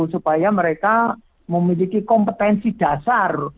supaya mereka memiliki kompetensi dasar